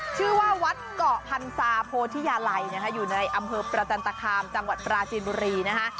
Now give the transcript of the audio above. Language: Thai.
ชื่อว่าวัดเกาะพันศาโพธิยาลัยนะคะอยู่ในอำเภอประจันตคามจังหวัดปราจีนบุรีนะคะ